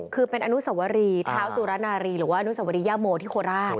คือเป็นอนุสวรีเท้าสุรนารีหรือว่าอนุสวรียโมที่โคราช